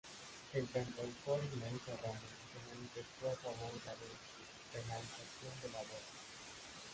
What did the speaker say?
El cantautor Ismael Serrano se manifestó a favor de la despenalización del aborto.